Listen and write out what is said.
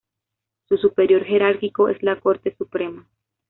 Su superior jerárquico es la Corte Suprema.